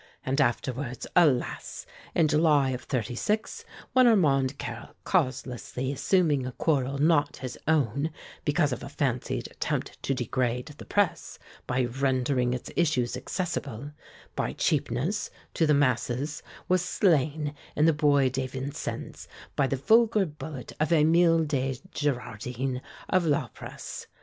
And afterwards, alas! in July of '36, when Armand Carrel, causelessly assuming a quarrel not his own, because of a fancied attempt to degrade the press, by rendering its issues accessible, by cheapness, to the masses, was slain in the Bois de Vincennes by the vulgar bullet of Émile de Girardin, of 'La Presse.'